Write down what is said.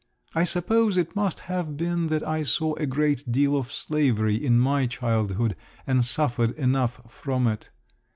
I suppose it must have been that I saw a great deal of slavery in my childhood and suffered enough from it.